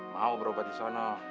mau berobat di sana